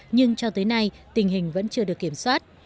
nhưng cho tới nay tình hình vẫn chưa được kiểm soát